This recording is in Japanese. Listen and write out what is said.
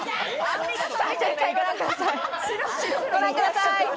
正解ご覧ください。